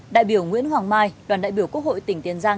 đại biểu nguyễn hoàng mai đoàn đại biểu quốc hội tp hcm